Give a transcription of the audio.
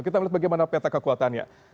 kita melihat bagaimana peta kekuatannya